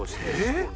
えっ？